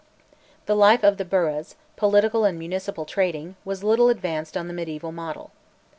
The life of the burghs, political and municipal and trading, was little advanced on the mediaeval model.